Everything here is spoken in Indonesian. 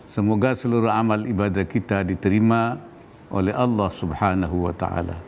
semoga seluruh amal ibadah kita diterima oleh allah swt